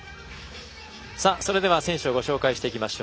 それでは選手をご紹介します。